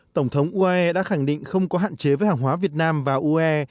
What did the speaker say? tổng thống uae đã khẳng định không có hạn chế với hàng hóa việt nam và uae